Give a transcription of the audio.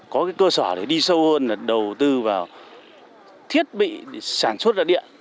có cái cơ sở để đi sâu hơn là đầu tư vào thiết bị sản xuất ra điện